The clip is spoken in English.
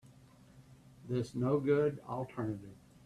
This no good alternative.